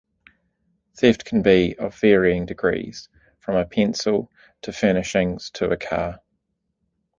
Theft can be of varying degrees, from a pencil to furnishings to a car.